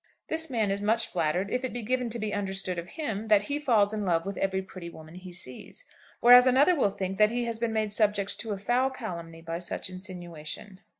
This man is much flattered if it be given to be understood of him that he falls in love with every pretty woman that he sees; whereas another will think that he has been made subject to a foul calumny by such insinuation.